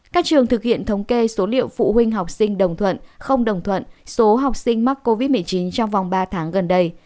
các trường thực hiện thống kê số liệu phụ huynh học sinh đồng thuận không đồng thuận số học sinh mắc covid một mươi chín trong vòng ba tháng gần đây